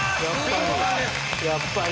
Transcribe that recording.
やっぱり！